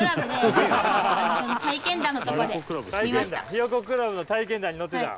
『ひよこクラブ』の体験談に載ってた？